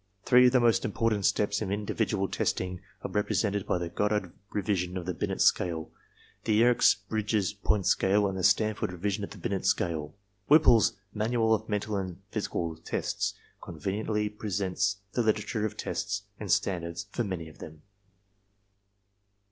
Three of the most important steps in individual testing are represented by the Goddard revision of the Binet Scale, the Yerkes Bridges Point Scale and the Stanford revision of the Binet Scale. Whipple's "Manual of Mental and Physical Tests" conveniently presents the literature of tests and stand ards for many of them.